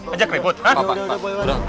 ajak ribut pak